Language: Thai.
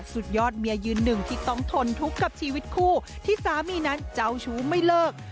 สุดยอดเมียยืนหนึ่งที่ต้องทนทุกข์กับชีวิตคู่ที่สามีนั้นเจ้าชู้ไม่เลิก